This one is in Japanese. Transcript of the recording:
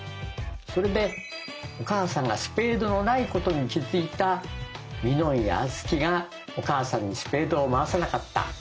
それでお母さんがスペードのないことに気づいたみのんや敦貴がお母さんにスペードを回さなかった。